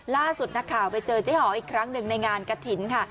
ล่าสุดนักข่าวไปเจอเจ๊หออีกครั้งหนึ่งในงานกระถิ่นค่ะ